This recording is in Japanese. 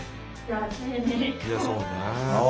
そうね。